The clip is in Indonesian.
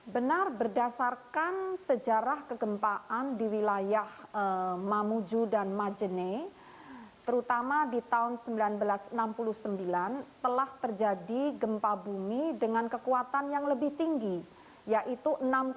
benar berdasarkan sejarah kegempaan di wilayah mamuju dan majene terutama di tahun seribu sembilan ratus enam puluh sembilan telah terjadi gempa bumi dengan kekuatan yang lebih tinggi yaitu enam tujuh